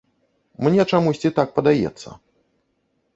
Мне чамусьці так падаецца.